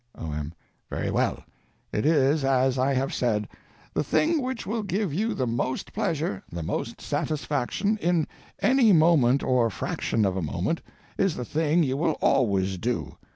O.M. Very well, it is as I have said: the thing which will give you the _most _pleasure, the most satisfaction, in any moment or _fraction _of a moment, is the thing you will always do.